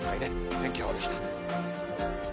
天気予報でした。